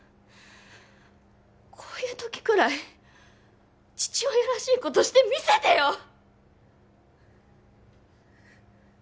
こういう時くらい父親らしいことしてみせてよ！